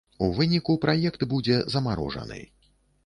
У выніку праект будзе замарожаны.